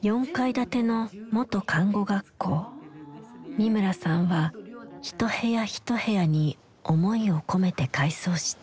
三村さんは一部屋一部屋に思いを込めて改装した。